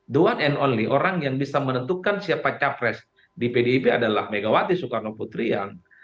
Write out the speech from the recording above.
the one and only orang yang bisa menentukan siapa capres di pdip adalah megawati soekarno putri yang